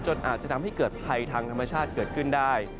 อาจจะทำให้เกิดภัยทางธรรมชาติเกิดขึ้นได้